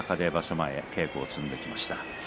前、稽古を積んできました。